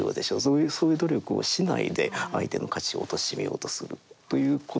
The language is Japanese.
そういう努力をしないで相手の価値をおとしめようとするということですね。